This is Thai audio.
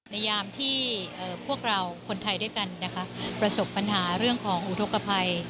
ยามที่พวกเราคนไทยด้วยกันนะคะประสบปัญหาเรื่องของอุทธกภัย